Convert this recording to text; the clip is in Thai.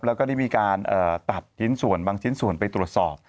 แล้วก็ได้มีการตัดชิ้นส่วนบางชิ้นส่วนไปตรวจสอบ